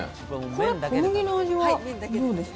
この小麦の味はするんですか？